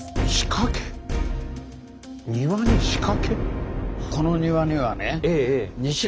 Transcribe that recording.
庭に仕掛け？